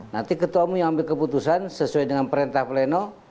nanti ketua umum yang ambil keputusan sesuai dengan perintah pleno